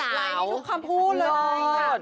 ตายไม่ได้ทุกคำพูเลยครับ